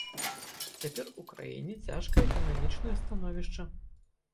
Цяпер у краіне цяжкае эканамічнае становішча.